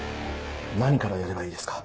何からやればいいですか？